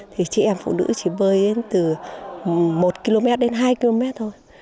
thì chị em phụ nữ chỉ bơi từ một km đến hai km thôi